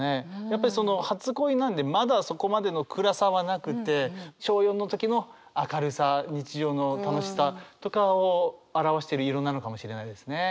やっぱりその初恋なんでまだそこまでの暗さはなくて小４の時の明るさ日常の楽しさとかを表してる色なのかもしれないですね。